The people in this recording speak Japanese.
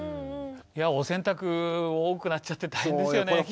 いやぁお洗濯多くなっちゃって大変ですよね。